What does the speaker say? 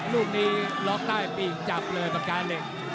รูปนี้ลงใต้ปีกจับเลยประกาศเหล็ก